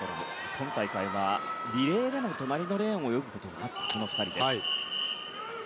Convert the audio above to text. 今大会はリレーでも隣のレーンを泳ぐことになったこの２人です。